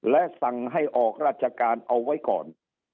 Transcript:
และสั่งให้ออกราชการเอาไว้ก่อน